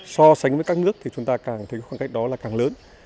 so sánh với các nước thì chúng ta càng thấy khoảng cách đó là càng lớn